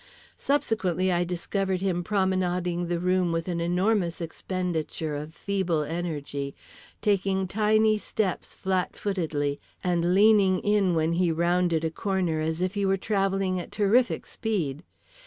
Subsequently, I discovered him promenading the room with an enormous expenditure of feeble energy, taking tiny steps flat footedly and leaning in when he rounded a corner as if he were travelling at terrific speed.